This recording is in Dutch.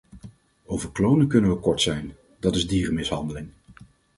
Over klonen kunnen we kort zijn: dat is dierenmishandeling.